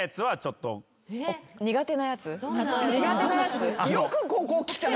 苦手なやつ？